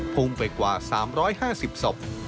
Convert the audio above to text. พุ่งไปกว่า๓๕๐ศพ